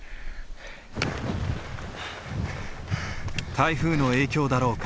台風の影響だろうか。